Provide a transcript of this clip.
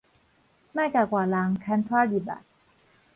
莫共外人牽拖入來